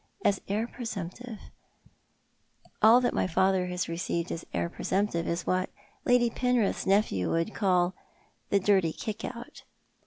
As heir presumptive ! All that my father has received as heir presumptive is what Lady Penrith's nephew would call "the dirty kick out."